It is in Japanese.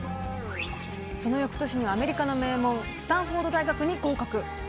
そのよくとしにはアメリカの名門、スタンフォード大学に合格。